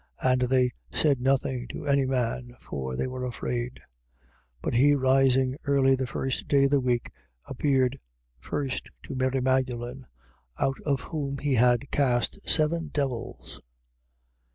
And they said nothing to any man: for they were afraid. 16:9. But he rising early the first day of the week, appeared first to Mary Magdalen; out of whom he had cast seven devils.